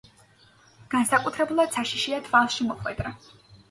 განსაკუთრებულად საშიშია თვალში მოხვედრა.